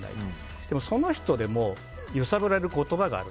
でも、その人でも揺さぶられる言葉がある。